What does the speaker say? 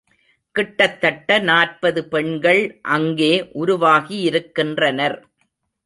கிட்டத்தட்ட நாற்பது பெண்கள் அங்கே உருவாகியிருக்கின்றனர்.